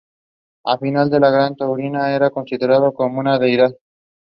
Kimball was placed with Jennie Kimball.